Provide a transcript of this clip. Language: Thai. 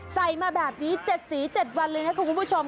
ใส่มาแบบนี้๗สี๗วันเลยนะคุณผู้ชม